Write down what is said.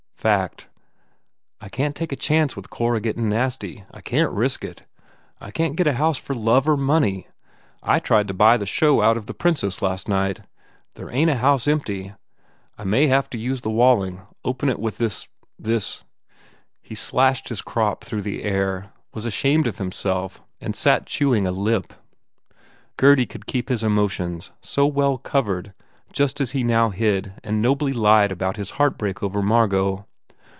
"Fact. I can t take a chance with Cora gettin nasty. I can t risk it. And I can t get a house for love or money. I tried to buy the show out of he Princess last night. There ain t a house empty ... I may have to use the Walling open it with this this " He slashed his crop though the air, was ashamed of himself and sat chewing a lip. Gurdy could keep his emotions so well covered just as he now hid and nobly lied about his heartbreak over Margot.